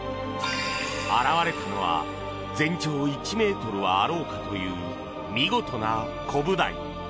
現れたのは全長１ｍはあろうかという見事なコブダイ。